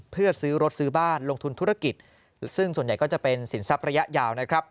เพื่อซื้อรถซื้อบ้านลงทุนธุรกิจซึ่งส่วนใหญ่ก็จะเป็นสินทรัพย์ระยะยาวนะครับ